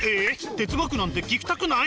哲学なんて聞きたくない？